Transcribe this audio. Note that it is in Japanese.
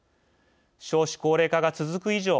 少子高齢化が続く以上